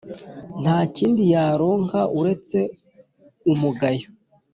nta kindi yaronka, uretse umugayo.